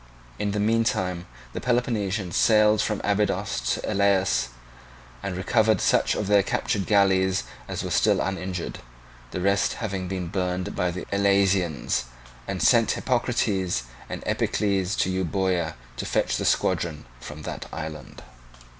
In the meantime the Peloponnesians sailed from Abydos to Elaeus, and recovered such of their captured galleys as were still uninjured, the rest having been burned by the Elaeusians, and sent Hippocrates and Epicles to Euboea to fetch the squadron from that island.